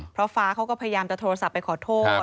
เพราะฟ้าเขาก็พยายามจะโทรศัพท์ไปขอโทษ